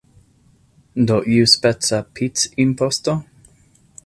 Do iuspeca pic-imposto?